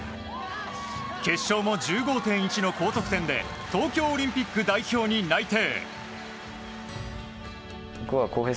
決勝も１５．１の高得点で東京オリンピック代表に内定。